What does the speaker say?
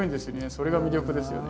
それが魅力ですよね。